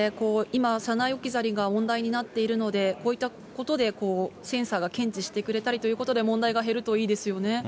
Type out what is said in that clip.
今、車内置き去りが問題になっているので、こういったことでセンサーが検知してくれたりということで、問題